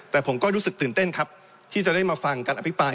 แต่ผมก็รู้สึกตื่นเต้นครับที่จะได้มาฟังการอภิปราย